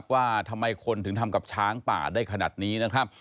ว่าทำไมคนถึงทำกับช้างป่าได้ขนาดนี้นะครับ